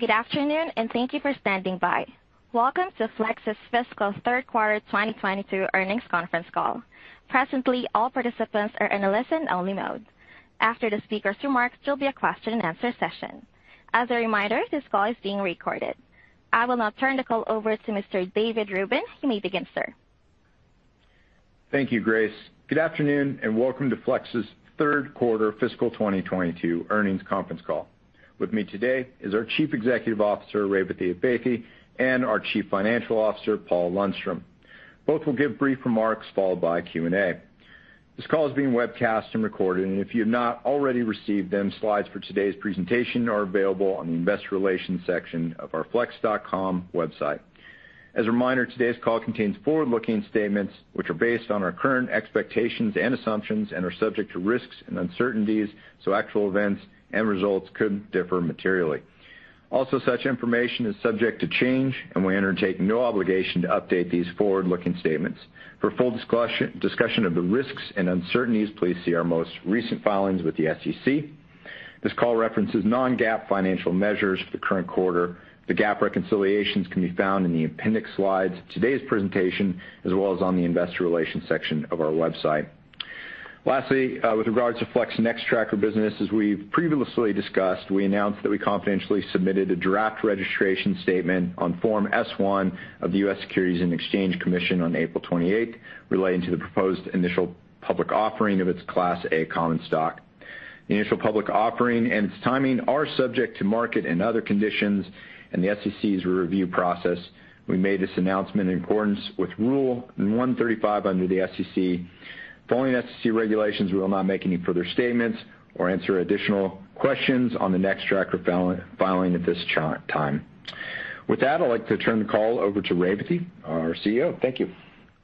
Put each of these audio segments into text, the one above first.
Good afternoon, and thank you for standing by. Welcome to Flex's Fiscal Third Quarter 2022 Earnings Conference Call. Presently, all participants are in a listen-only mode. After the speaker's remarks, there'll be a question-and-answer session. As a reminder, this call is being recorded. I will now turn the call over to Mr. David Rubin. You may begin, sir. Thank you, Grace. Good afternoon, and welcome to Flex's Third Quarter Fiscal 2022 Earnings Conference Call. With me today is our Chief Executive Officer, Revathi Advaithi, and our Chief Financial Officer, Paul Lundstrom. Both will give brief remarks followed by Q&A. This call is being webcast and recorded, and if you have not already received them, slides for today's presentation are available on the Investor Relations section of our flex.com website. As a reminder, today's call contains forward-looking statements which are based on our current expectations and assumptions and are subject to risks and uncertainties, so actual events and results could differ materially. Also, such information is subject to change, and we undertake no obligation to update these forward-looking statements. For full discussion of the risks and uncertainties, please see our most recent filings with the SEC. This call references non-GAAP financial measures for the current quarter. The GAAP reconciliations can be found in the appendix slides, today's presentation, as well as on the Investor Relations section of our website. Lastly, with regards to Flex's Nextracker business, as we've previously discussed, we announced that we confidentially submitted a draft registration statement on Form S-1 of the U.S. Securities and Exchange Commission on April 28th, relating to the proposed initial public offering of its Class A Common Stock. The initial public offering and its timing are subject to market and other conditions and the SEC's review process. We made this announcement in accordance with Rule 135 under the SEC. Following SEC regulations, we will not make any further statements or answer additional questions on the Nextracker filing at this time. With that, I'd like to turn the call over to Revathi, our CEO. Thank you.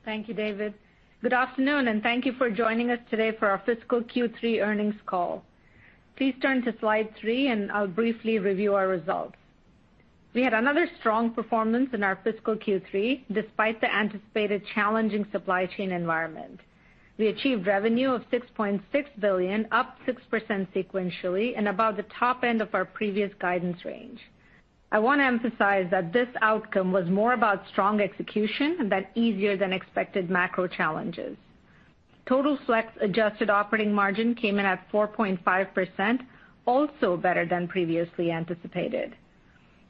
Thank you, David. Good afternoon, and thank you for joining us today for our Fiscal Q3 Earnings Call. Please turn to slide three, and I'll briefly review our results. We had another strong performance in our Fiscal Q3 despite the anticipated challenging supply chain environment. We achieved revenue of $6.6 billion, up 6% sequentially, and about the top end of our previous guidance range. I want to emphasize that this outcome was more about strong execution than easier-than-expected macro challenges. Total Flex adjusted operating margin came in at 4.5%, also better than previously anticipated.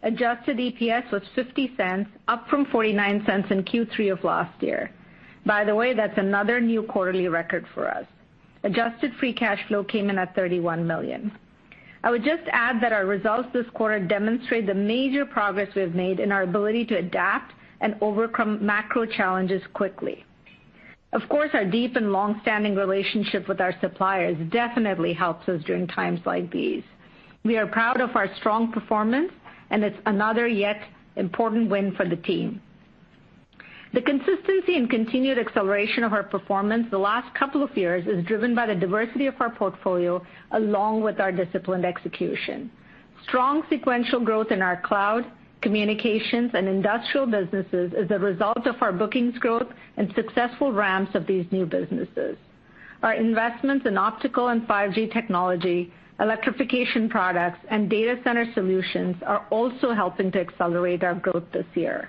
Adjusted EPS was $0.50, up from $0.49 in Q3 of last year. By the way, that's another new quarterly record for us. Adjusted free cash flow came in at $31 million. I would just add that our results this quarter demonstrate the major progress we have made in our ability to adapt and overcome macro challenges quickly. Of course, our deep and long-standing relationship with our suppliers definitely helps us during times like these. We are proud of our strong performance, and it's another yet important win for the team. The consistency and continued acceleration of our performance the last couple of years is driven by the diversity of our portfolio along with our disciplined execution. Strong sequential growth in our Cloud, Communications, and Industrial businesses is a result of our bookings growth and successful ramps of these new businesses. Our investments in optical and 5G technology, electrification products, and data center solutions are also helping to accelerate our growth this year.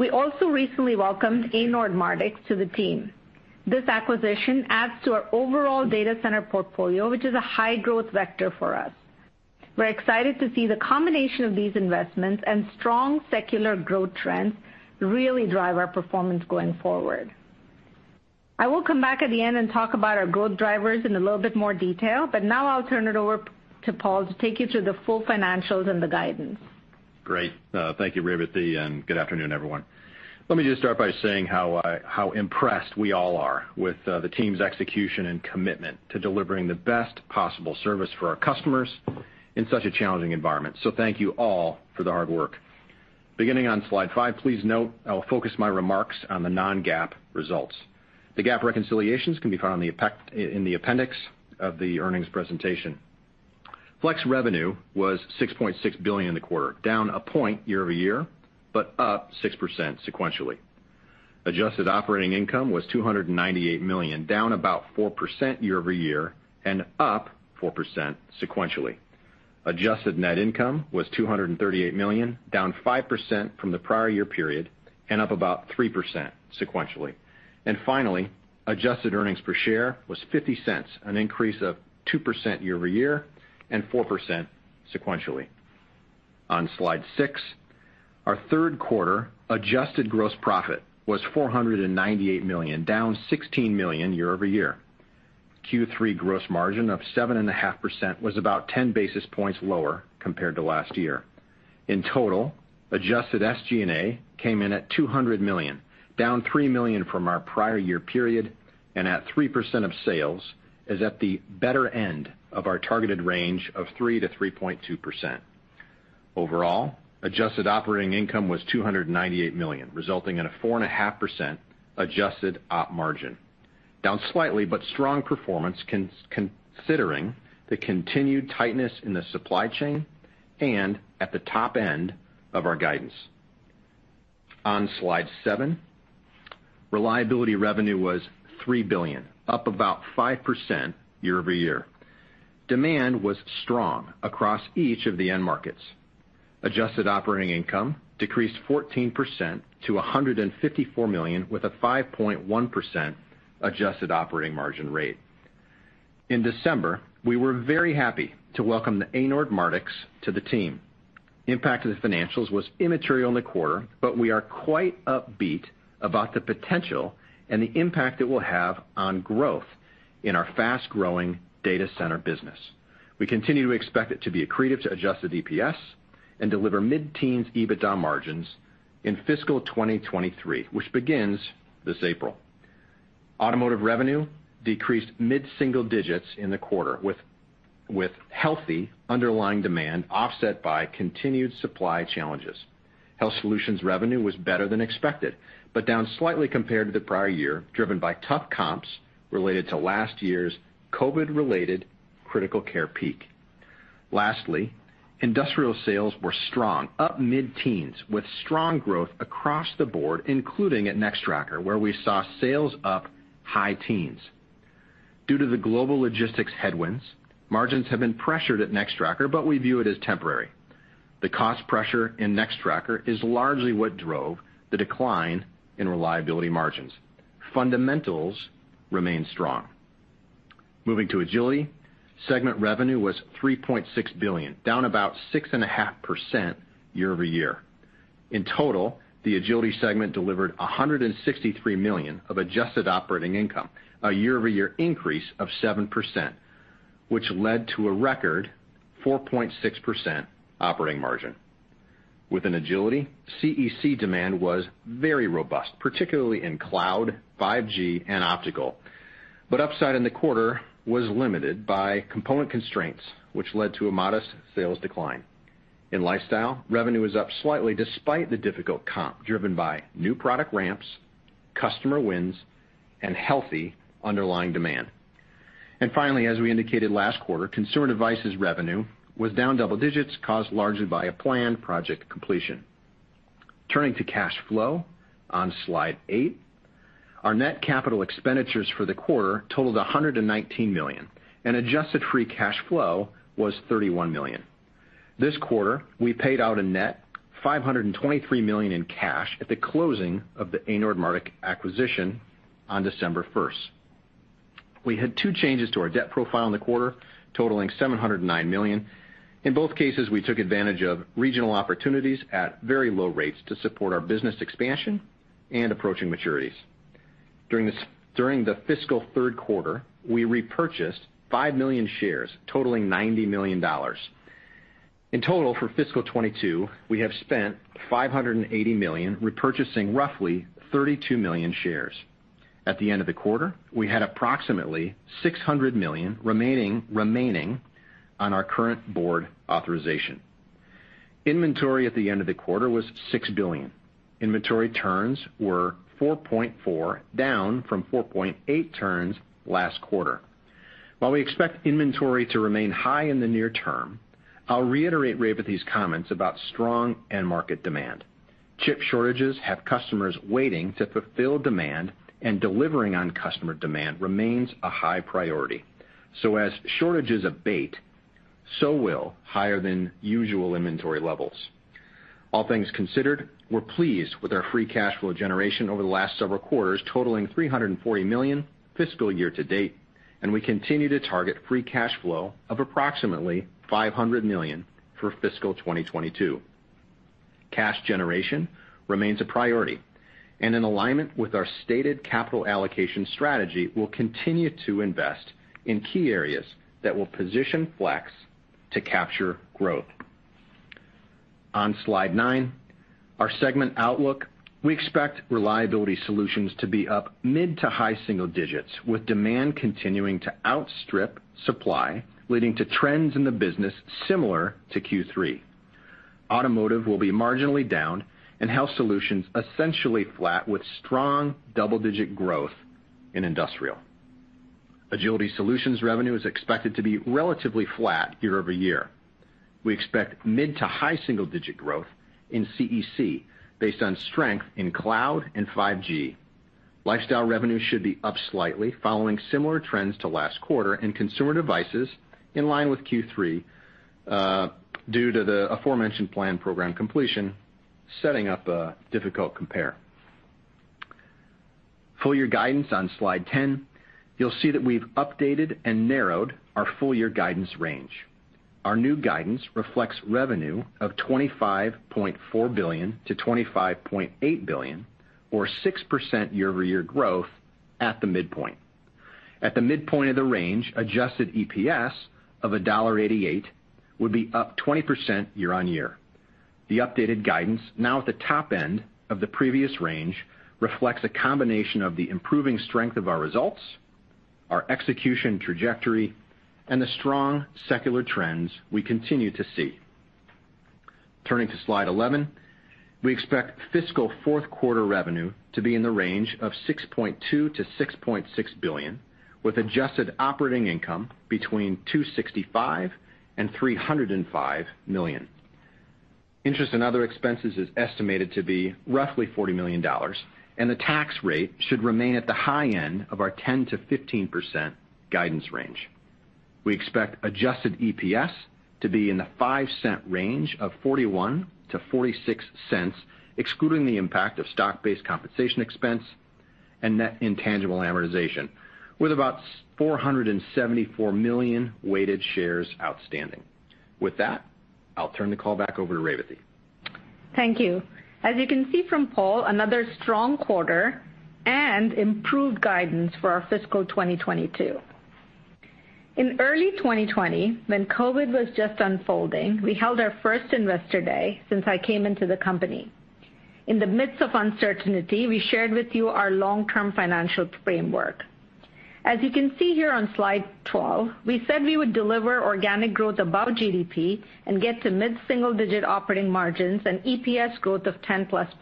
We also recently welcomed Anord Mardix to the team. This acquisition adds to our overall data center portfolio, which is a high-growth vector for us. We're excited to see the combination of these investments and strong secular growth trends really drive our performance going forward. I will come back at the end and talk about our growth drivers in a little bit more detail, but now I'll turn it over to Paul to take you through the full financials and the guidance. Great. Thank you, Revathi, and good afternoon, everyone. Let me just start by saying how impressed we all are with the team's execution and commitment to delivering the best possible service for our customers in such a challenging environment. So thank you all for the hard work. Beginning on slide five, please note I'll focus my remarks on the non-GAAP results. The GAAP reconciliations can be found in the appendix of the earnings presentation. Flex revenue was $6.6 billion in the quarter, down a point year-over-year, but up 6% sequentially. Adjusted operating income was $298 million, down about 4% year-over-year, and up 4% sequentially. Adjusted net income was $238 million, down 5% from the prior year period, and up about 3% sequentially. And finally, adjusted earnings per share was $0.50, an increase of 2% year-over-year, and 4% sequentially. On slide six, our third quarter adjusted gross profit was $498 million, down $16 million year-over-year. Q3 gross margin of 7.5% was about 10 basis points lower compared to last year. In total, adjusted SG&A came in at $200 million, down $3 million from our prior year period, and at 3% of sales, is at the better end of our targeted range of 3%-3.2%. Overall, adjusted operating income was $298 million, resulting in a 4.5% adjusted op margin. Down slightly, but strong performance considering the continued tightness in the supply chain and at the top end of our guidance. On slide seven, Reliability revenue was $3 billion, up about 5% year-over-year. Demand was strong across each of the end markets. Adjusted operating income decreased 14% to $154 million, with a 5.1% adjusted operating margin rate. In December, we were very happy to welcome Anord Mardix to the team. Impact of the financials was immaterial in the quarter, but we are quite upbeat about the potential and the impact it will have on growth in our fast-growing data center business. We continue to expect it to be accretive to Adjusted EPS and deliver mid-teens EBITDA margins in Fiscal 2023, which begins this April. Automotive revenue decreased mid-single digits in the quarter, with healthy underlying demand offset by continued supply challenges. Health Solutions revenue was better than expected, but down slightly compared to the prior year, driven by tough comps related to last year's COVID-related critical care peak. Lastly, industrial sales were strong, up mid-teens, with strong growth across the Board, including at Nextracker, where we saw sales up high teens. Due to the global logistics headwinds, margins have been pressured at Nextracker, but we view it as temporary. The cost pressure in Nextracker is largely what drove the decline in Reliability margins. Fundamentals remain strong. Moving to Agility, segment revenue was $3.6 billion, down about 6.5% year-over-year. In total, the Agility segment delivered $163 million of adjusted operating income, a year-over-year increase of 7%, which led to a record 4.6% operating margin. Within Agility, CEC demand was very robust, particularly in Cloud, 5G, and Optical, but upside in the quarter was limited by component constraints, which led to a modest sales decline. In Lifestyle, revenue is up slightly despite the difficult comp driven by new product ramps, customer wins, and healthy underlying demand. Finally, as we indicated last quarter, Consumer Devices revenue was down double digits, caused largely by a planned project completion. Turning to cash flow, on slide eight, our net capital expenditures for the quarter totaled $119 million, and adjusted free cash flow was $31 million. This quarter, we paid out a net $523 million in cash at the closing of the Anord Mardix acquisition on December 1st. We had two changes to our debt profile in the quarter, totaling $709 million. In both cases, we took advantage of regional opportunities at very low rates to support our business expansion and approaching maturities. During the fiscal third quarter, we repurchased five million shares, totaling $90 million. In total, for Fiscal 2022, we have spent $580 million, repurchasing roughly 32 million shares. At the end of the quarter, we had approximately $600 million remaining on our current board authorization. Inventory at the end of the quarter was $6 billion. Inventory turns were 4.4, down from 4.8 turns last quarter. While we expect inventory to remain high in the near term, I'll reiterate Revathi's comments about strong end market demand. Chip shortages have customers waiting to fulfill demand, and delivering on customer demand remains a high priority. So as shortages abate, so will higher-than-usual inventory levels. All things considered, we're pleased with our free cash flow generation over the last several quarters, totaling $340 million fiscal year to date, and we continue to target free cash flow of approximately $500 million for Fiscal 2022. Cash generation remains a priority, and in alignment with our stated capital allocation strategy, we'll continue to invest in key areas that will position Flex to capture growth. On slide nine, our segment outlook, we expect Reliability Solutions to be up mid to high single digits, with demand continuing to outstrip supply, leading to trends in the business similar to Q3. Automotive will be marginally down, and Health Solutions essentially flat with strong double-digit growth in Industrial. Agility Solutions revenue is expected to be relatively flat year-over-year. We expect mid to high single-digit growth in CEC based on strength in Cloud and 5G. Lifestyle revenue should be up slightly, following similar trends to last quarter, and Consumer Devices in line with Q3 due to the aforementioned plan program completion setting up a difficult compare. Full year guidance on slide 10, you'll see that we've updated and narrowed our full year guidance range. Our new guidance reflects revenue of $25.4 billion-$25.8 billion, or 6% year-over-year growth at the midpoint. At the midpoint of the range, adjusted EPS of $1.88 would be up 20% year-on-year. The updated guidance, now at the top end of the previous range, reflects a combination of the improving strength of our results, our execution trajectory, and the strong secular trends we continue to see. Turning to slide eleven, we expect fiscal fourth quarter revenue to be in the range of $6.2-$6.6 billion, with adjusted operating income between $265 and $305 million. Interest and other expenses is estimated to be roughly $40 million, and the tax rate should remain at the high end of our 10%-15% guidance range. We expect adjusted EPS to be in the 5-cent range of $0.41-$0.46, excluding the impact of stock-based compensation expense and net intangible amortization, with about 474 million weighted shares outstanding. With that, I'll turn the call back over to Revathi. Thank you. As you can see from Paul, another strong quarter and improved guidance for our fiscal 2022. In early 2020, when COVID was just unfolding, we held our first investor day since I came into the company. In the midst of uncertainty, we shared with you our long-term financial framework. As you can see here on slide twelve, we said we would deliver organic growth above GDP and get to mid-single-digit operating margins and EPS growth of 10% plus.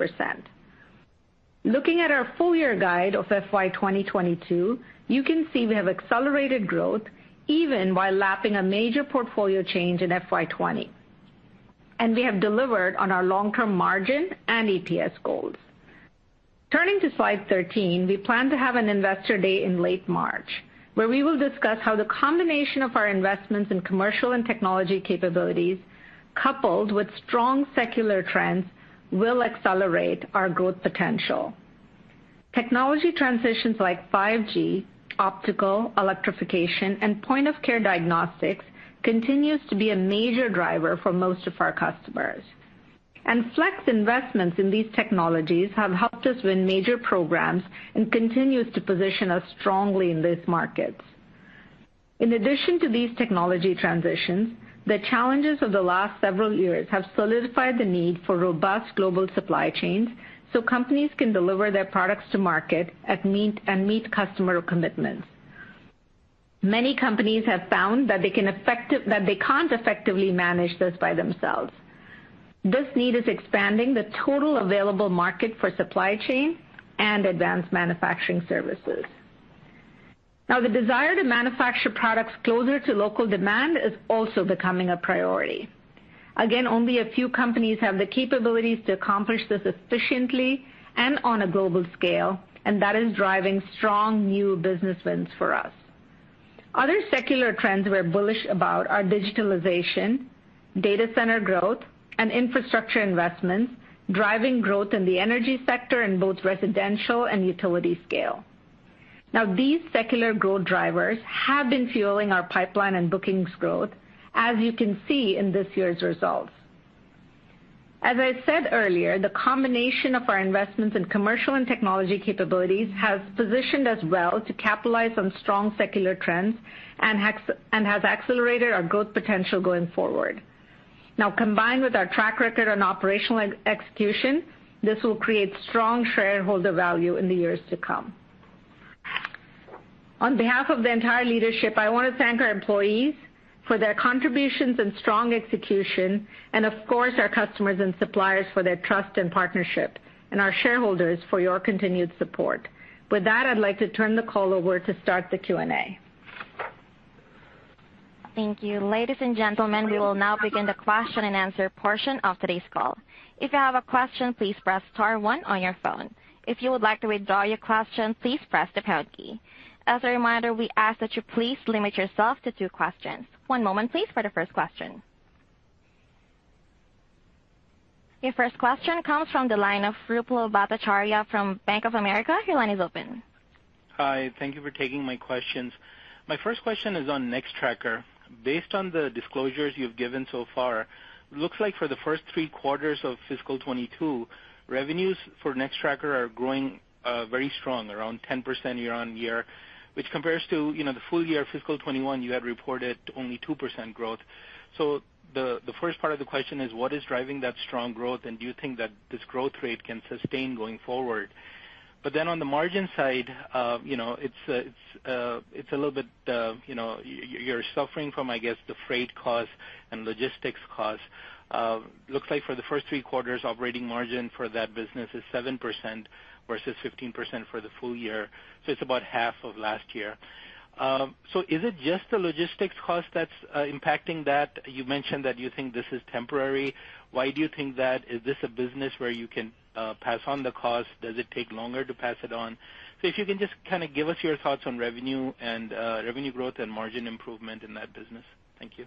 Looking at our full year guide of FY 2022, you can see we have accelerated growth even while lapping a major portfolio change in FY 2020, and we have delivered on our long-term margin and EPS goals. Turning to slide 13, we plan to have an investor day in late March, where we will discuss how the combination of our investments in commercial and technology capabilities, coupled with strong secular trends, will accelerate our growth potential. Technology transitions like 5G, optical, electrification, and point-of-care diagnostics continue to be a major driver for most of our customers, and Flex's investments in these technologies have helped us win major programs and continue to position us strongly in these markets. In addition to these technology transitions, the challenges of the last several years have solidified the need for robust global supply chains so companies can deliver their products to market and meet customer commitments. Many companies have found that they can't effectively manage this by themselves. This need is expanding the total available market for supply chain and advanced manufacturing services. Now, the desire to manufacture products closer to local demand is also becoming a priority. Again, only a few companies have the capabilities to accomplish this efficiently and on a global scale, and that is driving strong new business wins for us. Other secular trends we're bullish about are digitalization, data center growth, and infrastructure investments, driving growth in the energy sector in both residential and utility-scale. Now, these secular growth drivers have been fueling our pipeline and bookings growth, as you can see in this year's results. As I said earlier, the combination of our investments in commercial and technology capabilities has positioned us well to capitalize on strong secular trends and has accelerated our growth potential going forward. Now, combined with our track record on operational execution, this will create strong shareholder value in the years to come. On behalf of the entire leadership, I want to thank our employees for their contributions and strong execution, and of course, our customers and suppliers for their trust and partnership, and our shareholders for your continued support. With that, I'd like to turn the call over to start the Q&A. Thank you. Ladies and gentlemen, we will now begin the question-and-answer portion of today's call. If you have a question, please press star one on your phone. If you would like to withdraw your question, please press the pound key. As a reminder, we ask that you please limit yourself to two questions. One moment, please, for the first question. Your first question comes from the line of Ruplu Bhattacharya from Bank of America. Your line is open. Hi. Thank you for taking my questions. My first question is on Nextracker. Based on the disclosures you've given so far, it looks like for the first three quarters of fiscal 2022, revenues for Nextracker are growing very strong, around 10% year-on-year, which compares to the full year Fiscal 2021 you had reported only 2% growth. So the first part of the question is, what is driving that strong growth, and do you think that this growth rate can sustain going forward? But then on the margin side, it's a little bit, you're suffering from, I guess, the freight costs and logistics costs. Looks like for the first three quarters, operating margin for that business is 7% versus 15% for the full year so it's about half of last year. So is it just the logistics costs that's impacting that? You mentioned that you think this is temporary. Why do you think that? Is this a business where you can pass on the cost? Does it take longer to pass it on? So if you can just kind of give us your thoughts on revenue and revenue growth and margin improvement in that business? Thank you.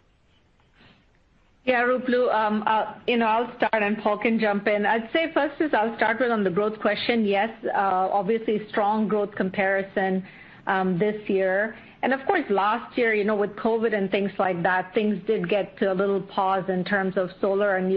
Yeah, Ruplu, I'll start, and Paul can jump in. I'd say first is I'll start with on the growth question. Yes, obviously, strong growth comparison this year, and of course, last year, with COVID and things like that, things did get to a little pause in terms of solar and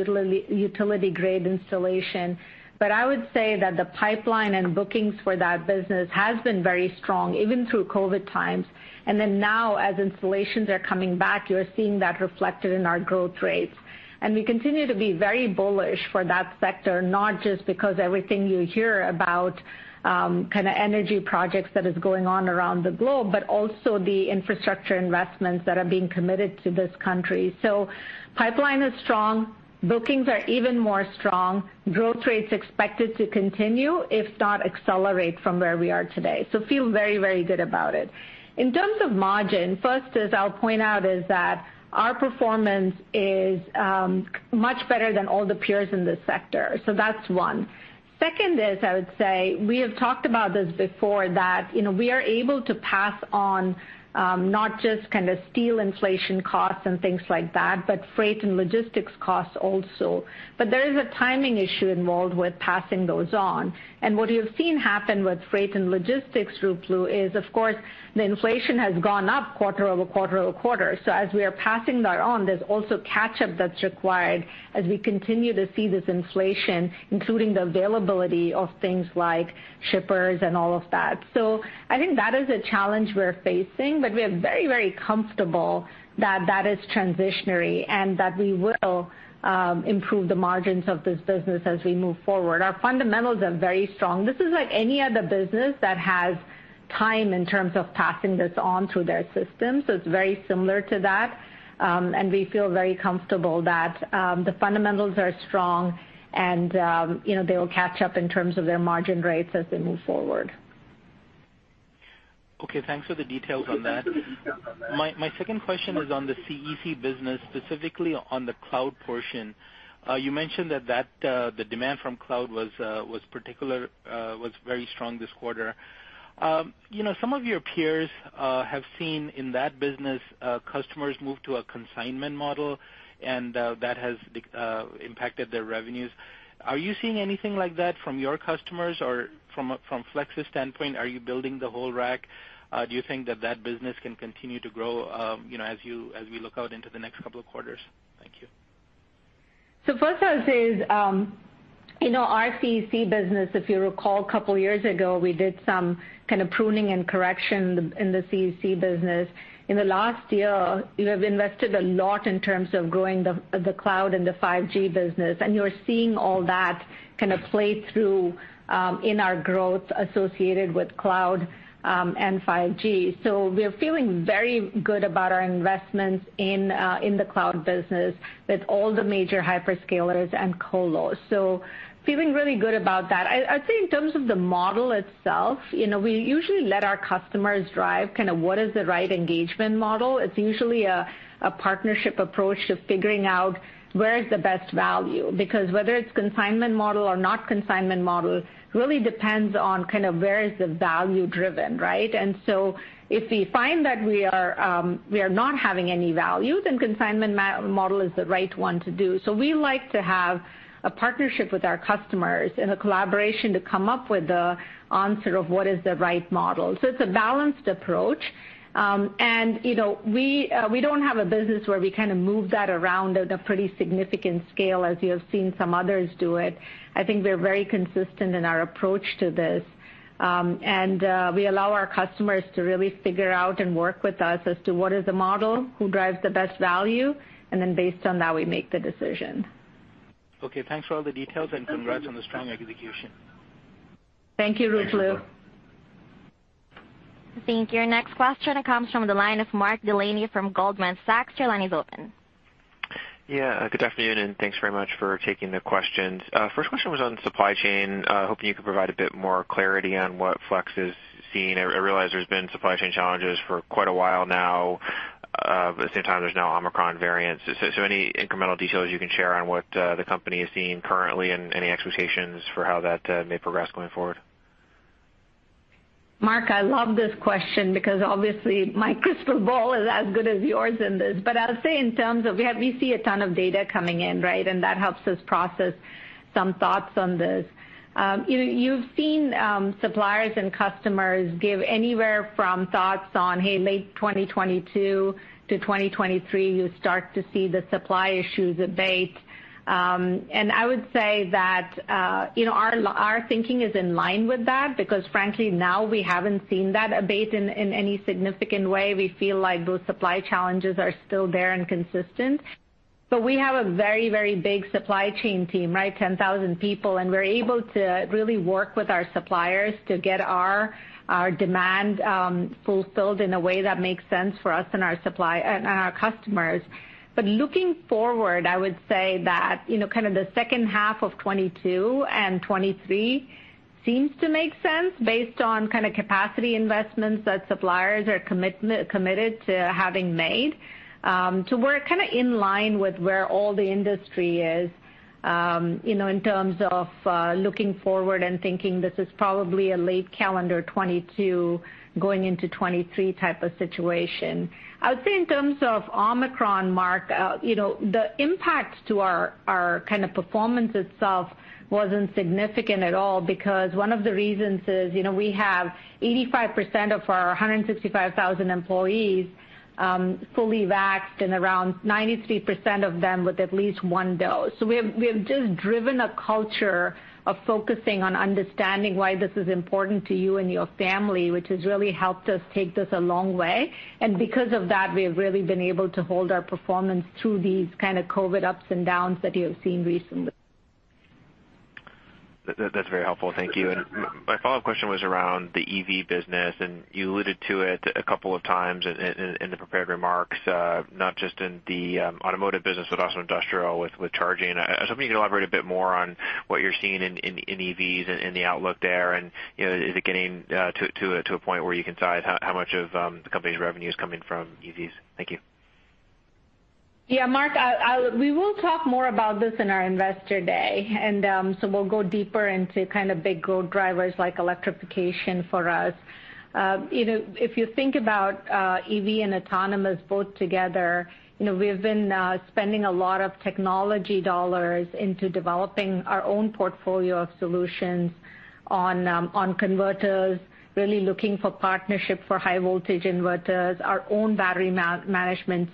utility-grade installation, but I would say that the pipeline and bookings for that business has been very strong, even through COVID times, and then now, as installations are coming back, you're seeing that reflected in our growth rates, and we continue to be very bullish for that sector, not just because everything you hear about kind of energy projects that are going on around the globe, but also the infrastructure investments that are being committed to this country, so pipeline is strong. Bookings are even more strong. Growth rate's expected to continue, if not accelerate, from where we are today. So feel very, very good about it. In terms of margin, first, as I'll point out, is that our performance is much better than all the peers in this sector. So that's one. Second is, I would say, we have talked about this before, that we are able to pass on not just kind of steel inflation costs and things like that, but freight and logistics costs also. But there is a timing issue involved with passing those on. And what you've seen happen with freight and logistics, Ruplu, is, of course, the inflation has gone up quarter over quarter-over-quarter. So as we are passing that on, there's also catch-up that's required as we continue to see this inflation, including the availability of things like shippers and all of that. So I think that is a challenge we're facing, but we are very, very comfortable that that is transitionary and that we will improve the margins of this business as we move forward. Our fundamentals are very strong. This is like any other business that has time in terms of passing this on through their systems. So it's very similar to that. And we feel very comfortable that the fundamentals are strong and they will catch up in terms of their margin rates as they move forward. Okay. Thanks for the details on that. My second question is on the CEC business, specifically on the Cloud portion. You mentioned that the demand from Cloud was very strong this quarter. Some of your peers have seen in that business customers move to a consignment model, and that has impacted their revenues. Are you seeing anything like that from your customers or from Flex's standpoint? Are you building the whole rack? Do you think that that business can continue to grow as we look out into the next couple of quarters? Thank you. So first, I'll say our CEC business, if you recall, a couple of years ago, we did some kind of pruning and correction in the CEC business. In the last year, you have invested a lot in terms of growing the Cloud and the 5G business, and you're seeing all that kind of play through in our growth associated with Cloud and 5G. So we're feeling very good about our investments in the cloud business with all the major hyperscalers and colos. So feeling really good about that. I'd say in terms of the model itself, we usually let our customers drive kind of what is the right engagement model. It's usually a partnership approach to figuring out where is the best value, because whether it's consignment model or not consignment model really depends on kind of where is the value driven, right? And so if we find that we are not having any value, then consignment model is the right one to do. So we like to have a partnership with our customers and a collaboration to come up with the answer of what is the right model. So it's a balanced approach. And we don't have a business where we kind of move that around at a pretty significant scale, as you have seen some others do it. I think we're very consistent in our approach to this. And we allow our customers to really figure out and work with us as to what is the model, who drives the best value, and then based on that, we make the decision. Okay. Thanks for all the details and congrats on the strong execution. Thank you, Ruplu. Thank you. Our next question, it comes from the line of Mark Delaney from Goldman Sachs. Your line is open. Yeah. Good afternoon, and thanks very much for taking the questions. First question was on supply chain. Hoping you could provide a bit more clarity on what Flex is seeing. I realize there's been supply chain challenges for quite a while now. At the same time, there's now Omicron variants. So any incremental details you can share on what the company is seeing currently and any expectations for how that may progress going forward? Mark, I love this question because obviously, my crystal ball is as good as yours in this. But I'll say in terms of we see a ton of data coming in, right? And that helps us process some thoughts on this. You've seen suppliers and customers give anywhere from thoughts on, hey, late 2022 to 2023, you start to see the supply issues abate. And I would say that our thinking is in line with that because, frankly, now we haven't seen that abate in any significant way. We feel like those supply challenges are still there and consistent. But we have a very, very big supply chain team, right? 10,000 people. And we're able to really work with our suppliers to get our demand fulfilled in a way that makes sense for us and our customers. But looking forward, I would say that kind of the second half of 2022 and 2023 seems to make sense based on kind of capacity investments that suppliers are committed to having made to work kind of in line with where all the industry is in terms of looking forward and thinking this is probably a late calendar 2022 going into 2023 type of situation. I would say in terms of Omicron, Mark, the impact to our kind of performance itself wasn't significant at all because one of the reasons is we have 85% of our 165,000 employees fully vaxxed and around 93% of them with at least one dose. So we have just driven a culture of focusing on understanding why this is important to you and your family, which has really helped us take this a long way. Because of that, we have really been able to hold our performance through these kind of COVID ups and downs that you have seen recently. That's very helpful. Thank you. And my follow-up question was around the EV business. And you alluded to it a couple of times in the prepared remarks, not just in the automotive business, but also industrial with charging. So can you elaborate a bit more on what you're seeing in EVs and the outlook there? And is it getting to a point where you can size how much of the company's revenue is coming from EVs? Thank you. Yeah, Mark, we will talk more about this in our investor day. And so we'll go deeper into kind of big growth drivers like electrification for us. If you think about EV and autonomous both together, we've been spending a lot of technology dollars into developing our own portfolio of solutions on converters, really looking for partnership for high-voltage inverters, our own battery management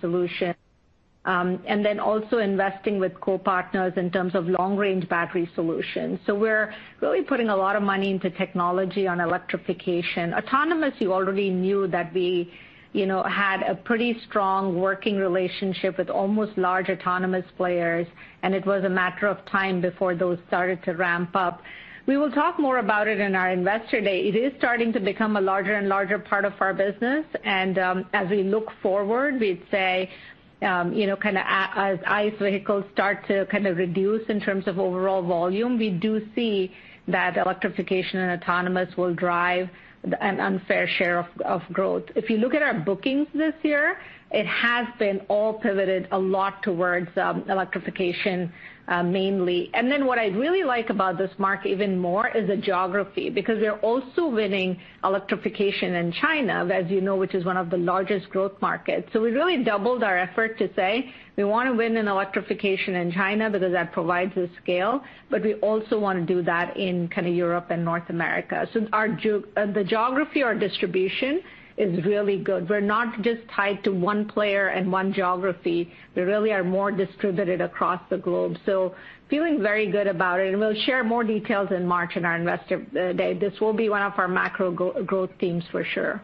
solution, and then also investing with co-partners in terms of long-range battery solutions. So we're really putting a lot of money into technology on electrification. Autonomous, you already knew that we had a pretty strong working relationship with almost large autonomous players, and it was a matter of time before those started to ramp up. We will talk more about it in our investor day. It is starting to become a larger and larger part of our business. As we look forward, we'd say kind of as ICE vehicles start to kind of reduce in terms of overall volume, we do see that electrification and autonomous will drive an unfair share of growth. If you look at our bookings this year, it has been all pivoted a lot towards electrification mainly. And then what I really like about this, Mark, even more, is the geography because we're also winning electrification in China, as you know, which is one of the largest growth markets. So we really doubled our effort to say we want to win in electrification in China because that provides the scale, but we also want to do that in kind of Europe and North America. So the geography or distribution is really good. We're not just tied to one player and one geography. We really are more distributed across the globe. Feeling very good about it. We'll share more details in March in our Investor Day. This will be one of our macro growth themes for sure.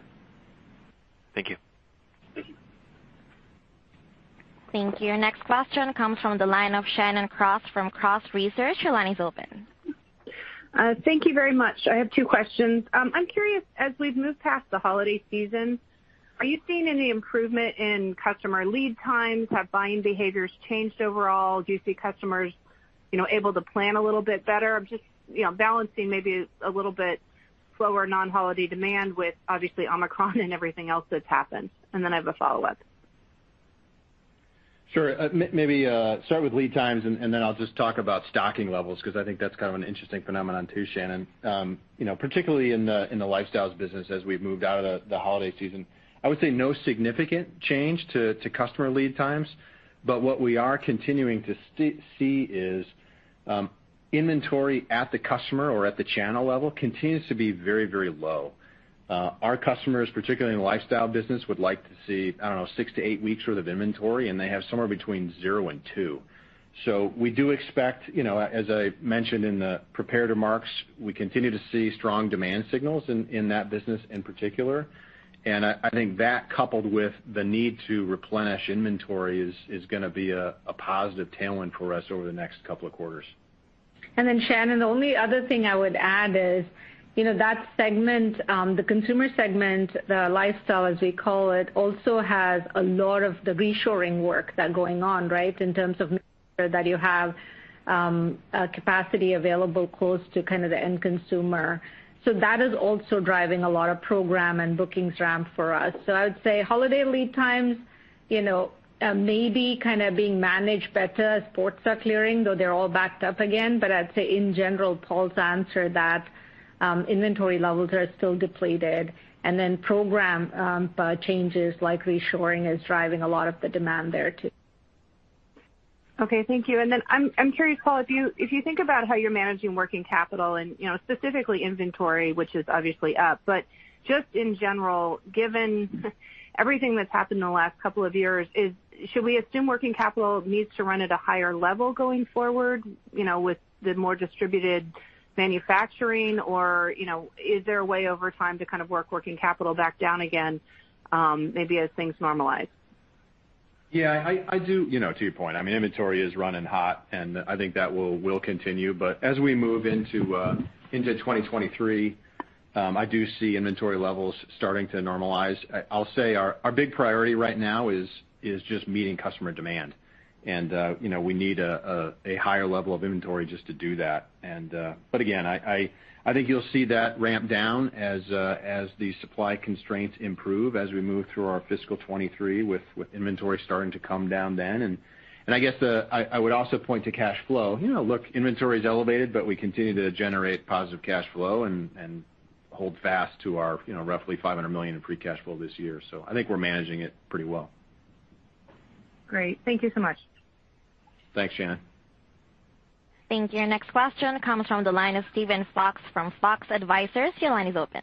Thank you. Thank you. Your next question comes from the line of Shannon Cross from Cross Research. Your line is open. Thank you very much. I have two questions. I'm curious, as we've moved past the holiday season, are you seeing any improvement in customer lead times? Have buying behaviors changed overall? Do you see customers able to plan a little bit better? I'm just balancing maybe a little bit slower non-holiday demand with obviously Omicron and everything else that's happened. And then I have a follow-up. Sure. Maybe start with lead times, and then I'll just talk about stocking levels because I think that's kind of an interesting phenomenon too, Shannon, particularly in the Lifestyle business as we've moved out of the holiday season. I would say no significant change to customer lead times. But what we are continuing to see is inventory at the customer or at the channel level continues to be very, very low. Our customers, particularly in the Lifestyle business, would like to see, I don't know, six to eight weeks' worth of inventory, and they have somewhere between zero and two. So we do expect, as I mentioned in the prepared remarks, we continue to see strong demand signals in that business in particular. And I think that, coupled with the need to replenish inventory, is going to be a positive tailwind for us over the next couple of quarters. And then, Shannon, the only other thing I would add is that segment, the consumer segment, the Lifestyle, as we call it, also has a lot of the reshoring work that's going on, right, in terms of making sure that you have capacity available close to kind of the end consumer. So that is also driving a lot of program and bookings ramp for us. So I would say holiday lead times may be kind of being managed better as ports are clearing, though they're all backed up again. But I'd say, in general, Paul's answer that inventory levels are still depleted. And then program changes like reshoring is driving a lot of the demand there too. Okay. Thank you. And then I'm curious, Paul, if you think about how you're managing working capital and specifically inventory, which is obviously up. But just in general, given everything that's happened in the last couple of years, should we assume working capital needs to run at a higher level going forward with the more distributed manufacturing, or is there a way over time to kind of work working capital back down again maybe as things normalize? Yeah. I do, to your point. I mean, inventory is running hot, and I think that will continue. But as we move into 2023, I do see inventory levels starting to normalize. I'll say our big priority right now is just meeting customer demand. And we need a higher level of inventory just to do that. But again, I think you'll see that ramp down as the supply constraints improve as we move through our fiscal 2023 with inventory starting to come down then. And I guess I would also point to cash flow. Look, inventory is elevated, but we continue to generate positive cash flow and hold fast to our roughly $500 million in free cash flow this year. So I think we're managing it pretty well. Great. Thank you so much. Thanks, Shannon. Thank you. Your next question comes from the line of Steven Fox from Fox Advisors. Your line is open.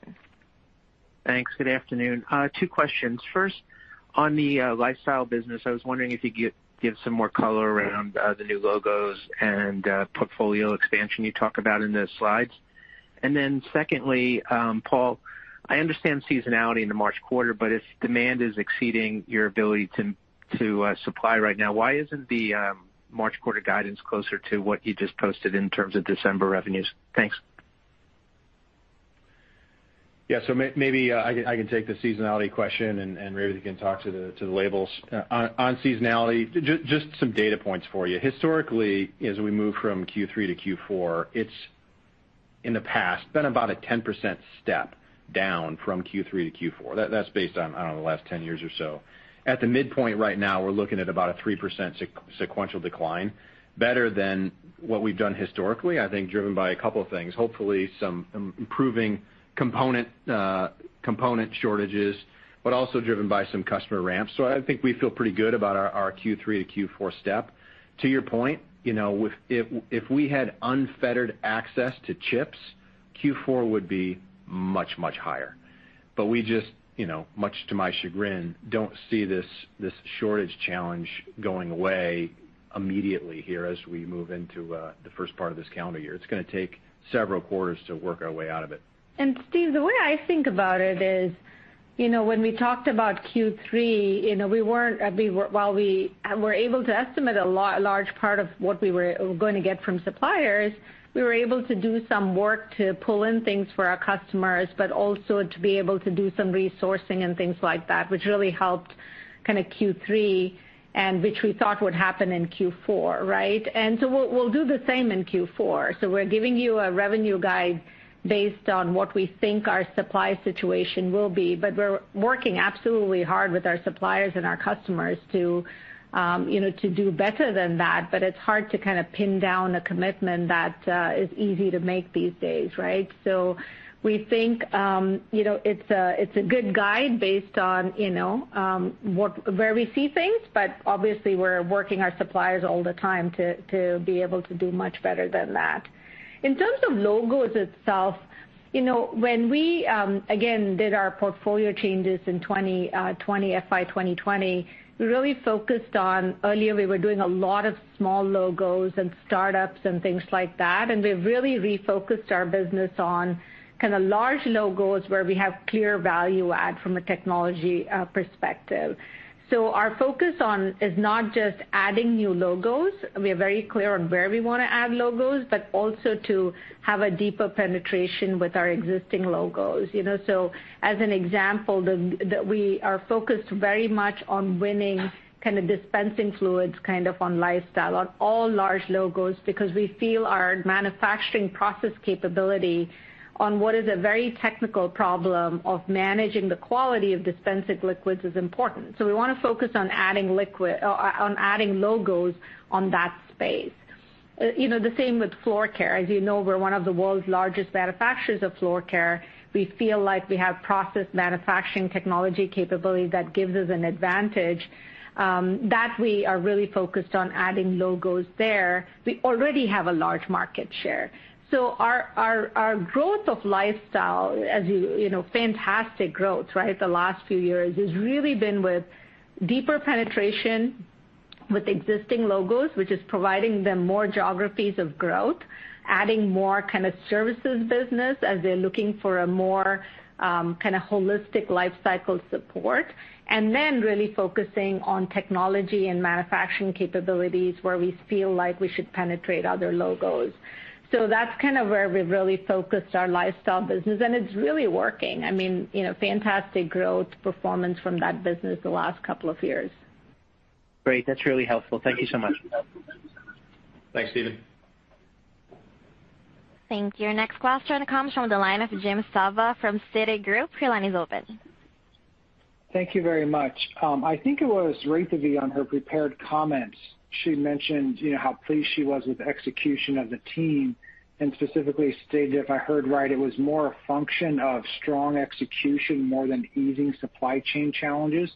Thanks. Good afternoon. Two questions. First, on the Lifestyle business, I was wondering if you could give some more color around the new logos and portfolio expansion you talk about in the slides. And then secondly, Paul, I understand seasonality in the March quarter, but if demand is exceeding your ability to supply right now, why isn't the March quarter guidance closer to what you just posted in terms of December revenues? Thanks. Yeah. So maybe I can take the seasonality question, and Revathi can talk to the latter. On seasonality, just some data points for you. Historically, as we move from Q3 to Q4, it's in the past been about a 10% step down from Q3 to Q4. That's based on the last 10 years or so. At the midpoint right now, we're looking at about a 3% sequential decline, better than what we've done historically, I think driven by a couple of things, hopefully some improving component shortages, but also driven by some customer ramp. So I think we feel pretty good about our Q3 to Q4 step. To your point, if we had unfettered access to chips, Q4 would be much, much higher. But we just, much to my chagrin, don't see this shortage challenge going away immediately here as we move into the first part of this calendar year. It's going to take several quarters to work our way out of it. Steve, the way I think about it is when we talked about Q3, while we were able to estimate a large part of what we were going to get from suppliers, we were able to do some work to pull in things for our customers, but also to be able to do some resourcing and things like that, which really helped kind of Q3 and which we thought would happen in Q4, right? And so we'll do the same in Q4. So we're giving you a revenue guide based on what we think our supply situation will be. But we're working absolutely hard with our suppliers and our customers to do better than that. But it's hard to kind of pin down a commitment that is easy to make these days, right? So we think it's a good guide based on where we see things. But obviously, we're working our suppliers all the time to be able to do much better than that. In terms of logos itself, when we, again, did our portfolio changes in FY 2020, we really focused on earlier, we were doing a lot of small logos and startups and things like that. And we really refocused our business on kind of large logos where we have clear value add from a technology perspective. So our focus is not just adding new logos. We are very clear on where we want to add logos, but also to have a deeper penetration with our existing logos. So as an example, we are focused very much on winning kind of dispensing fluids kind of on lifestyle on all large logos because we feel our manufacturing process capability on what is a very technical problem of managing the quality of dispensing liquids is important. We want to focus on adding logos in that space. The same with floor care. As you know, we're one of the world's largest manufacturers of floor care. We feel like we have process manufacturing technology capability that gives us an advantage. We are really focused on adding logos there. We already have a large market share. Our growth of Lifestyle, as you've seen fantastic growth, right, the last few years has really been with deeper penetration with existing logos, which is providing them more geographies of growth, adding more kind of services business as they're looking for a more kind of holistic lifecycle support, and then really focusing on technology and manufacturing capabilities where we feel like we should penetrate other logos. That's kind of where we've really focused our Lifestyle business. And it's really working. I mean, fantastic growth performance from that business the last couple of years. Great. That's really helpful. Thank you so much. Thanks, Steven. Thank you. Your next question comes from the line of Jim Suva from Citigroup. Your line is open. Thank you very much. I think it was Revathi on her prepared comments. She mentioned how pleased she was with the execution of the team and specifically stated, if I heard right, it was more a function of strong execution more than easing supply chain challenges.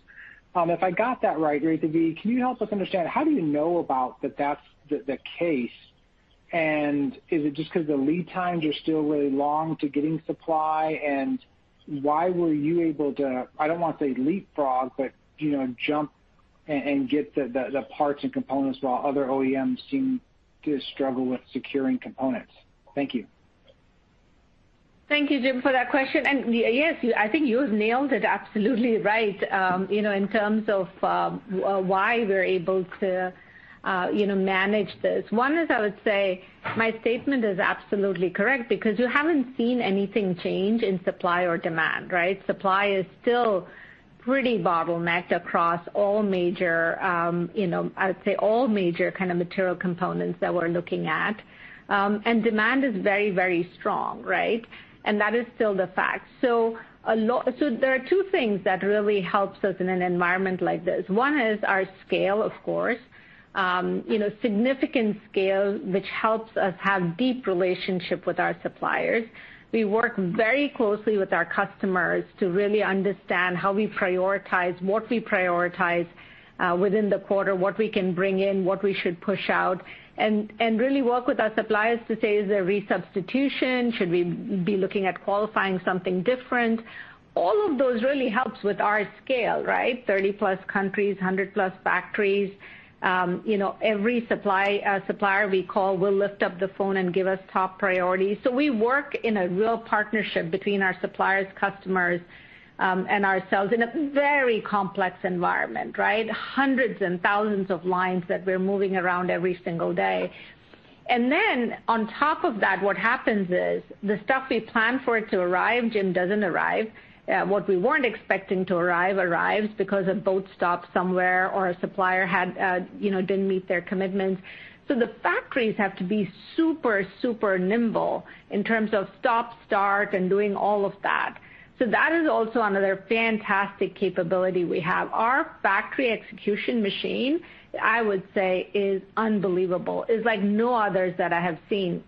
If I got that right, Revathi, can you help us understand how do you know about that that's the case? And is it just because the lead times are still really long to getting supply? And why were you able to, I don't want to say leapfrog, but jump and get the parts and components while other OEMs seem to struggle with securing components? Thank you. Thank you, Jim, for that question and yes, I think you've nailed it absolutely right in terms of why we're able to manage this. One is I would say my statement is absolutely correct because you haven't seen anything change in supply or demand, right? Supply is still pretty bottlenecked across all major, I'd say all major kind of material components that we're looking at and demand is very, very strong, right? And that is still the fact so there are two things that really help us in an environment like this. One is our scale, of course, significant scale, which helps us have a deep relationship with our suppliers. We work very closely with our customers to really understand how we prioritize, what we prioritize within the quarter, what we can bring in, what we should push out, and really work with our suppliers to say, is there a resubstitution? Should we be looking at qualifying something different? All of those really help with our scale, right? 30-plus countries, 100-plus factories. Every supplier we call will lift up the phone and give us top priority. So we work in a real partnership between our suppliers, customers, and ourselves in a very complex environment, right? Hundreds and thousands of lines that we're moving around every single day. And then on top of that, what happens is the stuff we plan for it to arrive, Jim, doesn't arrive. What we weren't expecting to arrive arrives because a boat stopped somewhere or a supplier didn't meet their commitments. So the factories have to be super, super nimble in terms of stop, start, and doing all of that. So that is also another fantastic capability we have. Our factory execution machine, I would say, is unbelievable. It's like no others that I have seen.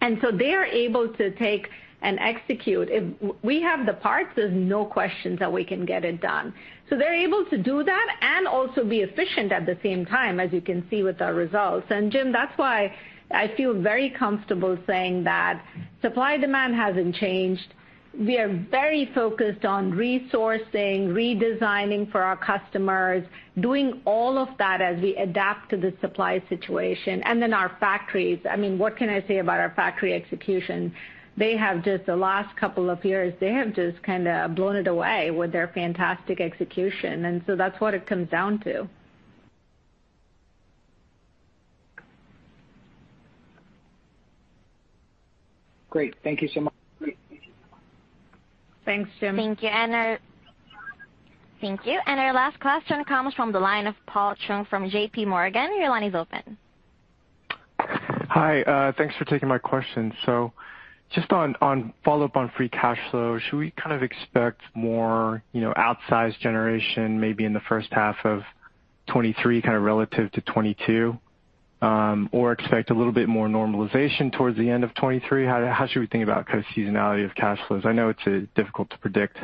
And so they are able to take and execute. If we have the parts, there's no question that we can get it done. So they're able to do that and also be efficient at the same time, as you can see with our results. And Jim, that's why I feel very comfortable saying that supply demand hasn't changed. We are very focused on resourcing, redesigning for our customers, doing all of that as we adapt to the supply situation. And then our factories, I mean, what can I say about our factory execution? In just the last couple of years, they have just kind of blown it away with their fantastic execution, and so that's what it comes down to. Great. Thank you so much. Thanks, Jim. Thank you. And our last question comes from the line of Paul Chung from JPMorgan. Your line is open. Hi. Thanks for taking my question. So just on follow-up on free cash flow, should we kind of expect more outsized generation maybe in the first half of 2023 kind of relative to 2022, or expect a little bit more normalization towards the end of 2023? How should we think about kind of seasonality of cash flows? I know it's difficult to predict.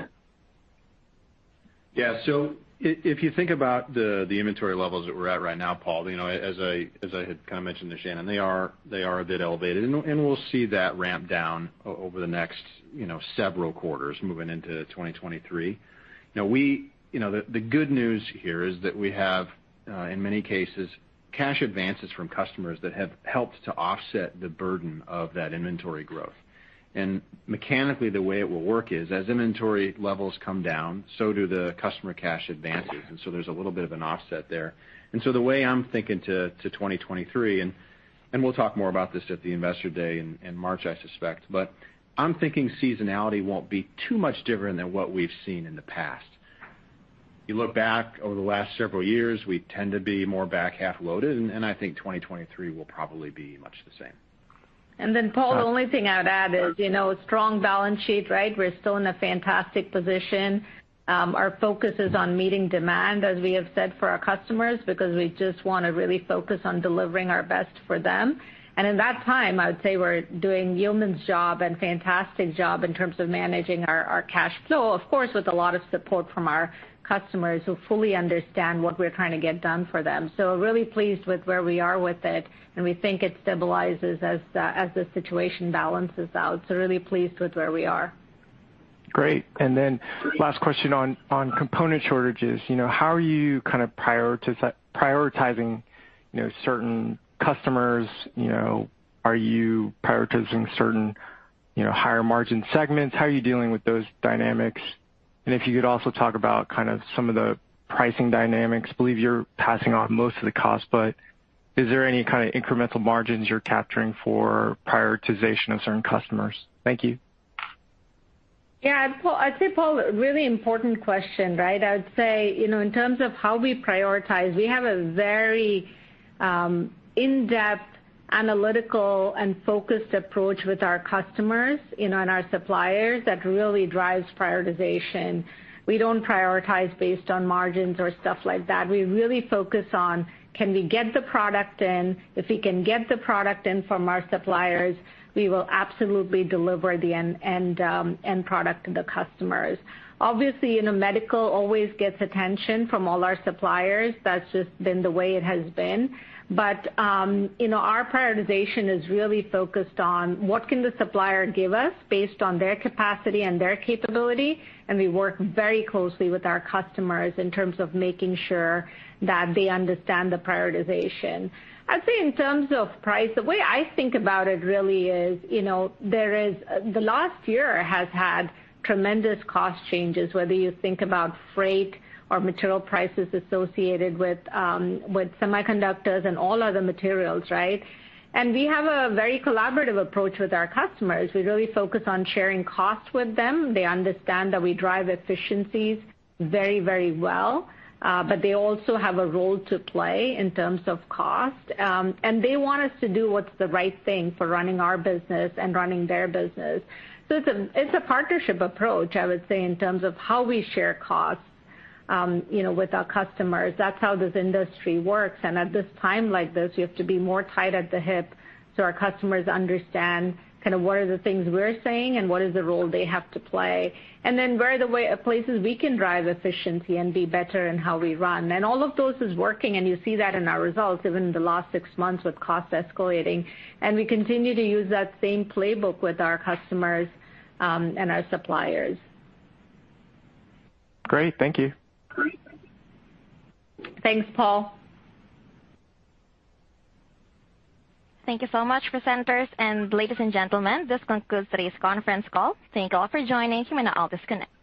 Yeah. So if you think about the inventory levels that we're at right now, Paul, as I had kind of mentioned to Shannon, they are a bit elevated. And we'll see that ramp down over the next several quarters moving into 2023. Now, the good news here is that we have, in many cases, cash advances from customers that have helped to offset the burden of that inventory growth. And mechanically, the way it will work is as inventory levels come down, so do the customer cash advances. And so there's a little bit of an offset there. And so the way I'm thinking to 2023, and we'll talk more about this at the Investor Day in March, I suspect, but I'm thinking seasonality won't be too much different than what we've seen in the past. You look back over the last several years, we tend to be more back half loaded, and I think 2023 will probably be much the same. And then, Paul, the only thing I would add is strong balance sheet, right? We're still in a fantastic position. Our focus is on meeting demand, as we have said, for our customers because we just want to really focus on delivering our best for them. And in that time, I would say we're doing yeoman's job and fantastic job in terms of managing our cash flow, of course, with a lot of support from our customers who fully understand what we're trying to get done for them. So really pleased with where we are with it. And we think it stabilizes as the situation balances out. So really pleased with where we are. Great. And then last question on component shortages. How are you kind of prioritizing certain customers? Are you prioritizing certain higher margin segments? How are you dealing with those dynamics? And if you could also talk about kind of some of the pricing dynamics. I believe you're passing on most of the cost, but is there any kind of incremental margins you're capturing for prioritization of certain customers? Thank you. Yeah. I'd say, Paul, really important question, right? I would say in terms of how we prioritize, we have a very in-depth analytical and focused approach with our customers and our suppliers that really drives prioritization. We don't prioritize based on margins or stuff like that. We really focus on, can we get the product in? If we can get the product in from our suppliers, we will absolutely deliver the end product to the customers. Obviously, medical always gets attention from all our suppliers. That's just been the way it has been. But our prioritization is really focused on what can the supplier give us based on their capacity and their capability. And we work very closely with our customers in terms of making sure that they understand the prioritization. I'd say in terms of price, the way I think about it really is the last year has had tremendous cost changes, whether you think about freight or material prices associated with semiconductors and all other materials, right? And we have a very collaborative approach with our customers. We really focus on sharing costs with them. They understand that we drive efficiencies very, very well. But they also have a role to play in terms of cost. And they want us to do what's the right thing for running our business and running their business. So it's a partnership approach, I would say, in terms of how we share costs with our customers. That's how this industry works. And at this time like this, we have to be more tight at the hip so our customers understand kind of what are the things we're saying and what is the role they have to play. And then where are the places we can drive efficiency and be better in how we run? And all of those is working. And you see that in our results even in the last six months with costs escalating. And we continue to use that same playbook with our customers and our suppliers. Great. Thank you. Thanks, Paul. Thank you so much, presenters and ladies and gentlemen. This concludes today's conference call. Thank you all for joining. You may now all disconnect.